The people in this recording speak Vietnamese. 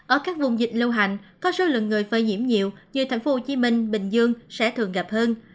ở các vùng dịch lưu hành có số lượng người phơi nhiễm nhiều như tp hcm bình dương sẽ thường gặp hơn